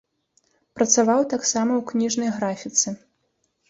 Працаваў таксама ў кніжнай графіцы.